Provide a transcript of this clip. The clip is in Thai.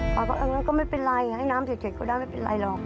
ป้าก็บอกอย่างนั้นก็ไม่เป็นไรให้น้ำเฉียบก็ได้ไม่เป็นไรหรอก